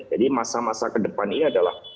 jadi masa masa kedepannya adalah